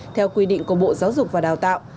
theo quy định của bộ giáo dục và đào tạo